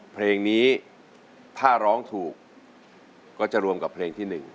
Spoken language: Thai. เพลงนี้ถ้าร้องถูกก็จะรวมกับเพลงที่๑